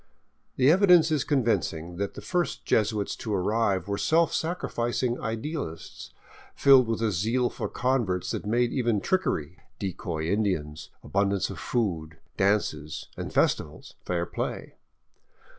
The evidence is convincing that the first Jesuits to arrive were self sacrificing idealists, filled with a zeal for converts that made even trickery,— decoy Indians, abundance of food, dances and festivals — fair play.